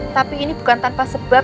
tapi ini bukan tanpa sebab